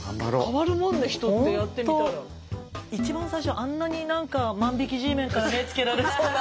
一番最初あんなになんか万引きＧメンから目付けられそうな。